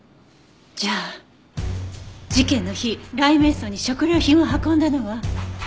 じゃあ事件の日雷冥荘に食料品を運んだのは。